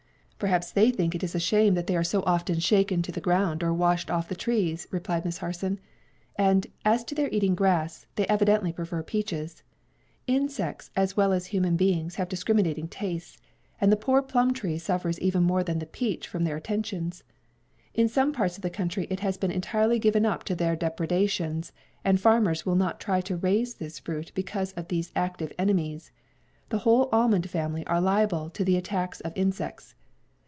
"Perhaps they think it a shame that they are so often shaken to the ground or washed off the trees," replied Miss Harson; "and, as to their eating grass, they evidently prefer peaches. 'Insects as well as human beings have discriminating tastes, and the poor plum tree suffers even more than the peach from their attentions. In some parts of the country it has been entirely given up to their depredations, and farmers will not try to raise this fruit because of these active enemies. The whole almond family are liable to the attacks of insects.